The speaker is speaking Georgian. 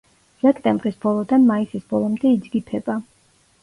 სექტემბრის ბოლოდან მაისის ბოლომდე იძგიფება.